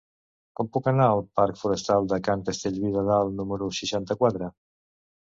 Com puc anar al parc Forestal de Can Castellví de Dalt número seixanta-quatre?